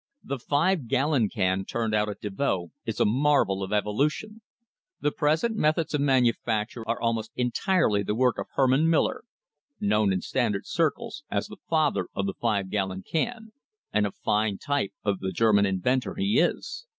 The five gallon can turned out at the Devoe is a marvel of evolution. The present methods of manufacture are almost entirely the work of Herman Miller, known in Standard [ 239 ] THE HISTORY OF THE STANDARD OIL COMPANY circles as the "father of the five gallon can"; and a fine type of the German inventor he is.